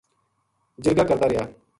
جِرگہ کرتا رہیا